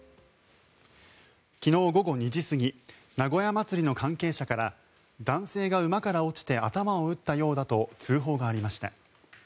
昨日午後２時過ぎ名古屋まつりの関係者から男性が馬から落ちて頭を打ったようだと通報がありました。